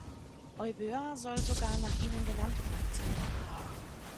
Euböa soll sogar nach ihnen genannt worden sein.